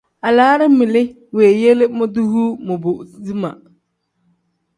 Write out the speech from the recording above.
Alaraami li weeyele modoyuu mobo zimaa.